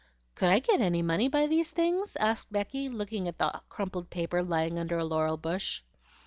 "Could I get any money by these things?" asked Becky, looking at the crumpled paper lying under a laurel bush.